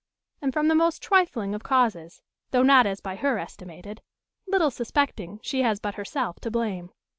And from the most trifling of causes, though not as by her estimated; little suspecting she has but herself to blame.